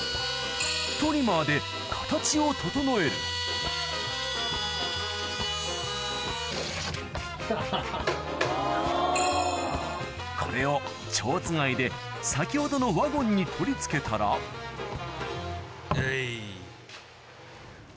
トリマーで形を整えるこれを蝶番で先ほどのワゴンに取り付けたらはい。